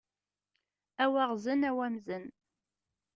A waɣzen a wamzen!